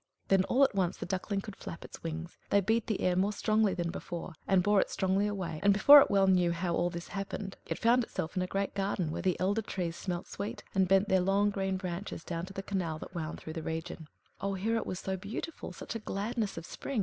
Then all at once the Duckling could flap its wings. They beat the air more strongly than before, and bore it strongly away; and before it well knew how all this happened, it found itself in a great garden, where the elder trees smelt sweet, and bent their long green branches down to the canal that wound through the region. Oh, here it was so beautiful, such a gladness of spring!